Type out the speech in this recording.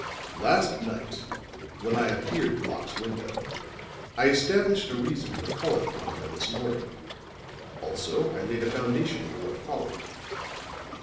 "Last night when I appeared at Locke's window, I established a reason for calling upon her this morning, also I laid a foundation for what followed.